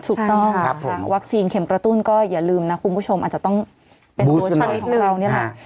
ถูกต้องนะคะวัคซีนเข็มกระตุ้นก็อย่าลืมนะคุณผู้ชมอาจจะต้องเป็นหัวใจของเรานี่แหละ